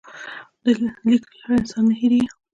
د لیک له لارې انسان نه هېرېږي.